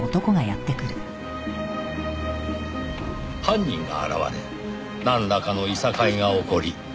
犯人が現れなんらかの諍いが起こり。